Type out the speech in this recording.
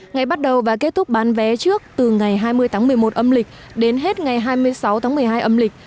ngày bắt đầu và kết thúc bán vé trước từ ngày hai mươi tháng một mươi một âm lịch đến hết ngày hai mươi sáu tháng một mươi hai âm lịch